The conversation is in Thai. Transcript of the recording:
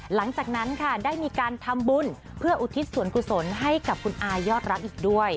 หลังจากนั้นค่ะได้มีการทำบุญเพื่ออุทิศส่วนกุศลให้กับคุณอายอดรักอีกด้วย